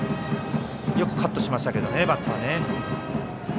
よくカットしましたけどねバッター。